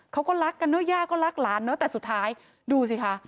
เขาก็รักกันเนอะย่าก็รักหลานเนอะแต่สุดท้ายดูสิคะ